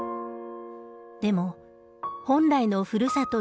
でも本来のふるさと